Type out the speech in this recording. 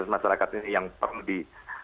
masyarakat ini yang perlu di